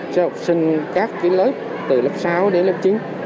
cho học sinh các lớp từ lớp sáu đến lớp chín